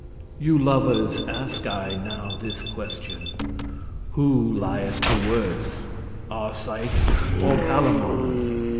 You lovers ask I now this question,<18> Who lieth the worse, Arcite or Palamon?